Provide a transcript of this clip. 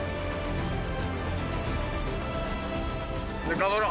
頑張ろう。